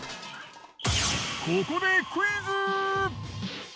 ここでクイズ！